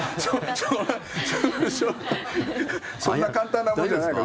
そんな簡単なもんじゃないか。